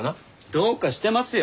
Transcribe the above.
どうかしてますよ。